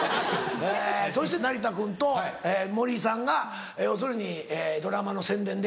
そして成田君と森さんが要するにドラマの宣伝で。